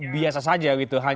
biasa saja gitu